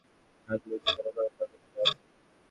নগর ভবনে আরও তিনটি ব্যানার থাকলেও সেখানে কোনো সংগঠনের নাম নেই।